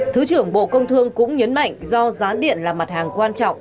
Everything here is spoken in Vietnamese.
thứ trưởng bộ công thương cũng nhấn mạnh do giá điện là mặt hàng quan trọng